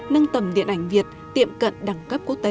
nâng tầm điện ảnh việt tiệm cận đẳng cấp quốc tế